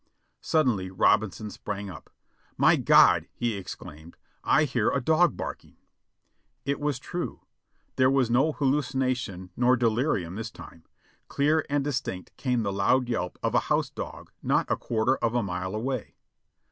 Suddenly Robinson sprang up. "My God!" he exclaimed, "I hear a dog barking." It was true, there was no hallucination nor delirium this time. Clear and distinct came the loud yelp of the house dog not a quarter of a mile away.